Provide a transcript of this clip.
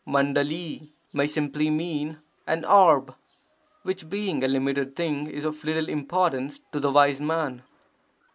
H u scll may simply mean 'an orb', which being a limited thing is of little importance to the wise man.